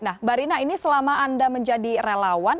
nah mbak rina ini selama anda menjadi relawan